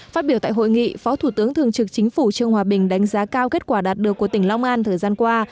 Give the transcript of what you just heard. phát biểu tại hội nghị phó thủ tướng thường trực chính phủ trương hòa bình đánh giá cao kết quả đạt được của tỉnh long an thời gian qua